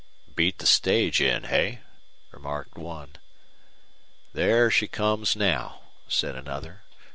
"Beat the stage in, hey?" remarked one. "There she comes now," said another.